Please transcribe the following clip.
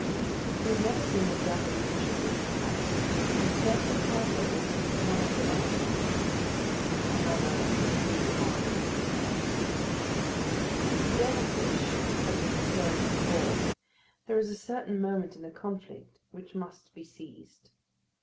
He had never seen a devil fish of this size. His first encounter was with one of the larger species. Another would have been powerless with terror. With the devil fish, as with a furious bull, there is a certain moment in the conflict which must be seized.